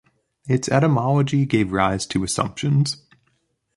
Its etymology gave rise to assumptions.